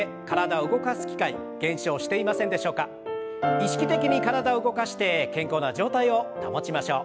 意識的に体動かして健康な状態を保ちましょう。